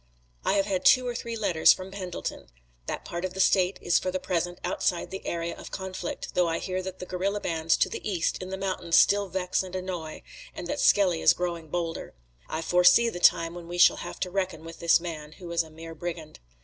I have had two or three letters from Pendleton. That part of the State is for the present outside the area of conflict, though I hear that the guerilla bands to the east in the mountains still vex and annoy, and that Skelly is growing bolder. I foresee the time when we shall have to reckon with this man, who is a mere brigand.